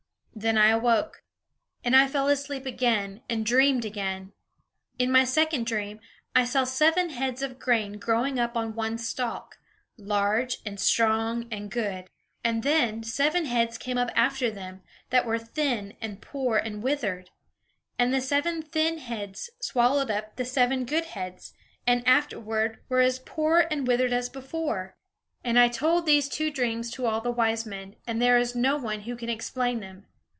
Then I awoke. "And I fell asleep again, and dreamed again. In my second dream, I saw seven heads of grain growing up on one stalk, large, and strong, and good. And then seven heads came up after them, that were thin, and poor, and withered. And the seven thin heads swallowed up the seven good heads; and afterward were as poor and withered as before. "And I told these two dreams to all the wise men, and there is no one who can explain them.